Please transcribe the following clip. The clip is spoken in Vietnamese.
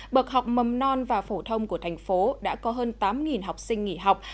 bậc học mầm non và phổ thông của thành phố đã có hơn tám học sinh nghỉ học